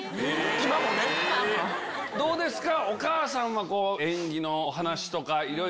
どうですか？